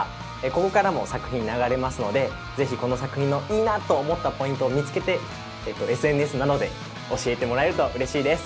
ここからも作品流れますのでぜひこの作品のいいなと思ったポイントを見つけてＳＮＳなどで教えてもらえるとうれしいです。